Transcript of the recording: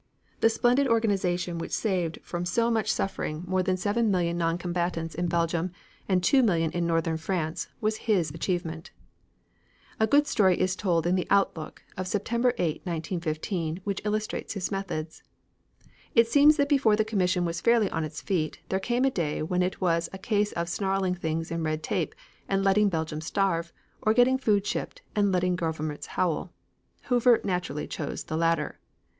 The splendid organization which saved from so much suffering more than seven million non combatants in Belgium and two million in Northern France, was his achievement. A good story is told in the Outlook of September 8, 1915, which illustrates his methods. It seems that before the commission was fairly on its feet, there came a day when it was a case of snarling things in red tape and letting Belgium starve, or getting food shipped and letting governments howl. Hoover naturally chose the latter.